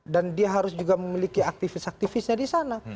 dan dia harus juga memiliki aktivis aktivisnya di sana